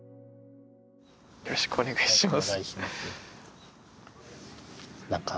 よろしくお願いします。